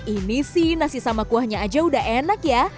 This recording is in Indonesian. ini sih nasi sama kuahnya aja udah enak ya